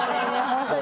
ホントに。